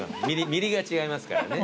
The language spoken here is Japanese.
ミリが違いますからね。